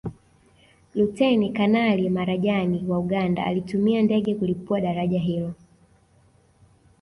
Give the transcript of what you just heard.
Luteni Kanali Marajani wa Uganda alitumia ndege kulipua daraja hilo